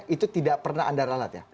itu tidak pernah anda ralat ya